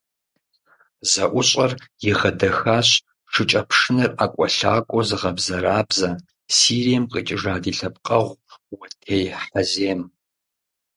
ЗэӀущӀэр игъэдэхащ шыкӀэпшынэр ӀэкӀуэлъакӀуэу зыгъэбзэрабзэ, Сирием къикӏыжа ди лъэпкъэгъу - Уэтей Хьэзем.